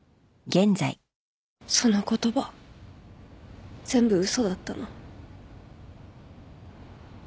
その言葉全部嘘だったの？